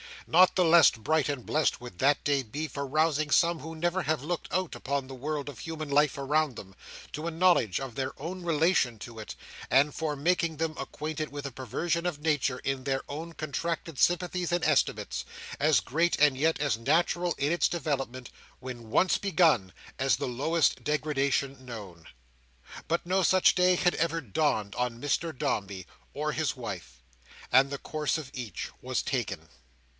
Not the less bright and blest would that day be for rousing some who never have looked out upon the world of human life around them, to a knowledge of their own relation to it, and for making them acquainted with a perversion of nature in their own contracted sympathies and estimates; as great, and yet as natural in its development when once begun, as the lowest degradation known. But no such day had ever dawned on Mr Dombey, or his wife; and the course of each was taken.